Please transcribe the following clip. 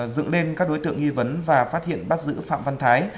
dựng lên các đối tượng nghi vấn và phát hiện bắt giữ phạm văn thái